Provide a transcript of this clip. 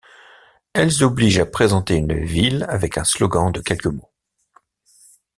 Elles obligent à présenter une ville avec un slogan de quelques mots.